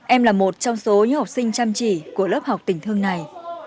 em là một trong số những học sinh chăm chỉ của lớp học tình thương này